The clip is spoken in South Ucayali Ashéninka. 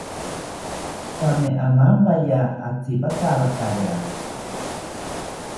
Thame amampaya atzipatawakaya